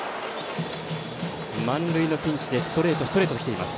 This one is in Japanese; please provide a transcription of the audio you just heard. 満塁のピンチでストレート、ストレートときています。